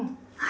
はい。